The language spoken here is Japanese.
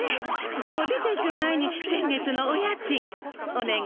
でも出ていく前に先月のお家ちんおねがいね。